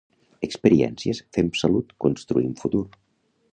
Experiències "Fem salut, construïm futur".